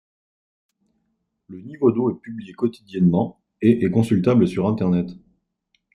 Le niveau d'eau est publié quotidiennement, et est consultable sur internet.